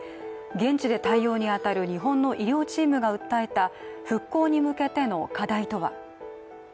現地で対応に当たる日本の医療チームが訴えた復興に向けての課題とは。